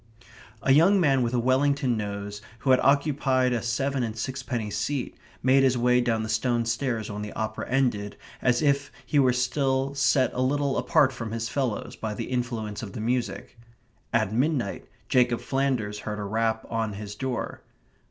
A young man with a Wellington nose, who had occupied a seven and sixpenny seat, made his way down the stone stairs when the opera ended, as if he were still set a little apart from his fellows by the influence of the music. At midnight Jacob Flanders heard a rap on his door.